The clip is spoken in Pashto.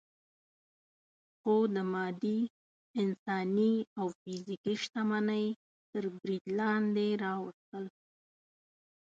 خو د مادي، انساني او فزیکي شتمنۍ تر برید لاندې راوستل.